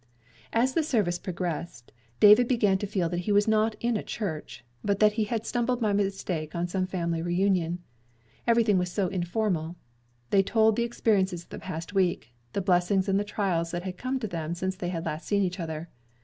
As the service progressed, David began to feel that he was not in a church, but that he had stumbled by mistake on some family reunion. Everything was so informal. They told the experiences of the past week, the blessings and the trials that had come to them since they had last seen each other.